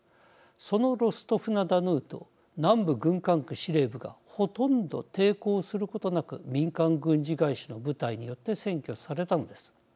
そのロストフ・ナ・ドヌーと南部軍管区司令部がほとんど抵抗することなく民間軍事会社の部隊によって占拠されたのです。